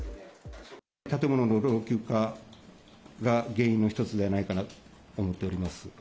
建物の老朽化が原因の一つではないかなと思っております。